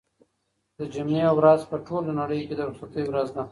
د جمعې ورځ په ټوله نړۍ کې د رخصتۍ ورځ ده.